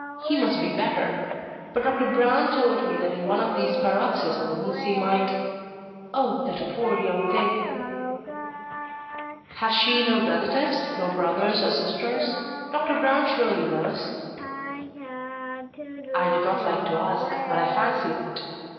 He must be better. But Dr. Brown told me that in one of these paroxysms he might Oh, that poor young thing!" "Has she no relatives, no brothers or sisters? Doctor Brown surely knows." "I did not like to ask, but I fancy not.